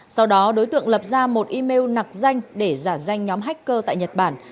sau đó đối tượng lập ra một email nặc danh để giả danh nhóm hacker tại nhật bản